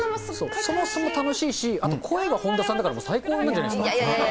そもそも楽しいし、声が本田さんだから最高なんじゃないですか。